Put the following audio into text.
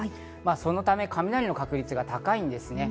そのため雷の確率が高いです。